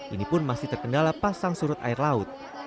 ini pun masih terkendala pasang surut air laut